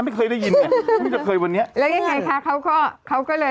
ไม่เคยได้ยินไงเพิ่งจะเคยวันนี้แล้วยังไงคะเขาก็เขาก็เลย